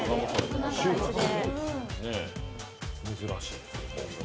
珍しい。